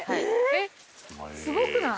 えっすごくない？